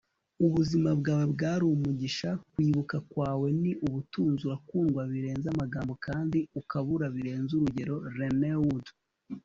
ubuzima bwawe bwari umugisha, kwibuka kwawe ni ubutunzi urakundwa birenze amagambo kandi ukabura birenze urugero - renee wood